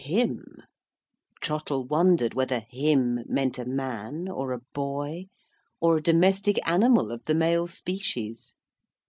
"Him?" Trottle wondered whether "him" meant a man, or a boy, or a domestic animal of the male species.